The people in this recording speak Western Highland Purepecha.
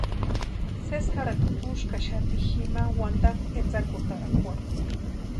Sesi jarhati kuskaxati jima wantakwa etsakutarakwarhu.